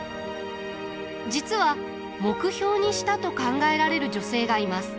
実は目標にしたと考えられる女性がいます。